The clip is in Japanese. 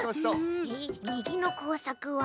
えっみぎのこうさくは？